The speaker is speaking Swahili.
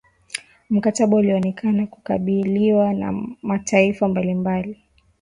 mkataba ulionekana kukubaliwa na mataifa mbalimbali